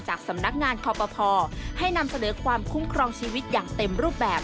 สำนักงานคอปภให้นำเสนอความคุ้มครองชีวิตอย่างเต็มรูปแบบ